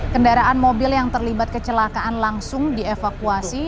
kendaraan mobil yang terlibat kecelakaan langsung dievakuasi